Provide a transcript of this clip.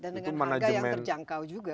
dan dengan harga yang terjangkau juga